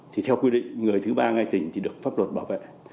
thì theo quy định người thứ ba ngay tỉnh thì được pháp luật bảo vệ